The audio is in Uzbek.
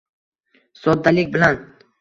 soddalik bilan.